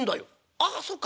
「ああそっか。